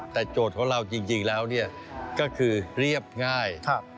แต่โจทย์ของเราจริงแล้วเนี่ยก็คือเรียบง่าย